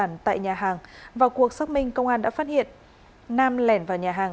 trong việc bị trộm tài sản tại nhà hàng vào cuộc xác minh công an đã phát hiện nam lẻn vào nhà hàng